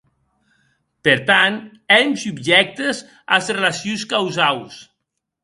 Per tant, èm subjèctes as relacions causaus.